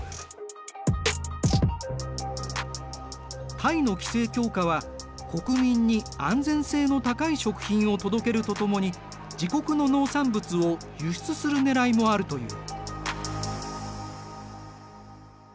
タイの規制強化は国民に安全性の高い食品を届けるとともに自国の農産物を輸出するねらいもあるという。